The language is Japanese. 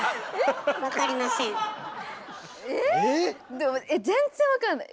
でもえっ全然分かんない。